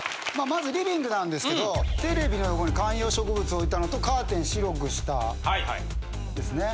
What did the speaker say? まずリビングなんですけどテレビの横に観葉植物置いたのとカーテン白くしたですね。